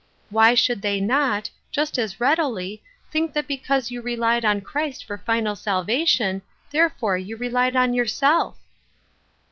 Why should they not, just as readily, think that because you relied on Christ for final salvation therefore you relied on your self